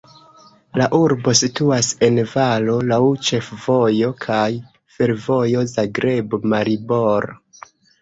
La urbo situas en valo, laŭ ĉefvojo kaj fervojo Zagrebo-Maribor.